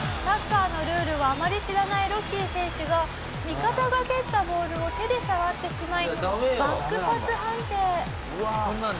サッカーのルールをあまり知らないロッキー選手が味方が蹴ったボールを手で触ってしまいバックパス判定。